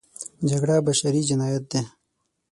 جګړه بشري جنایت دی.